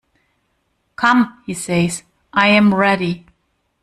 "Come," he says; "I am ready."